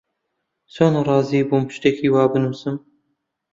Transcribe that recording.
چۆن ڕازی بووم شتێکی وا بنووسم؟